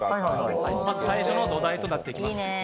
まず最初の土台となっていきます。